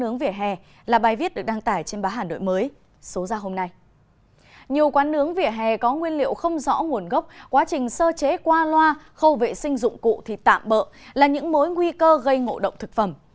nhiều quán nướng vỉa hè có nguyên liệu không rõ nguồn gốc quá trình sơ chế qua loa khâu vệ sinh dụng cụ thì tạm bỡ là những mối nguy cơ gây ngộ độc thực phẩm